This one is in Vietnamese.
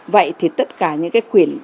vậy thì tất cả những cái quyển